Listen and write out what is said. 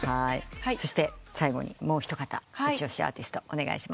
そして最後にもう一方イチオシアーティストお願いします。